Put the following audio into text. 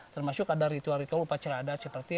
termasuk ada ritual ritual upacara adat